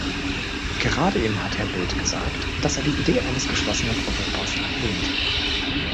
Gerade eben hat Herr Bildt gesagt, dass er die Idee eines geschlossenen Europas ablehnt.